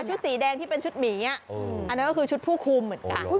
สีแดงที่เป็นชุดหมีอันนั้นก็คือชุดผู้คุมเหมือนกัน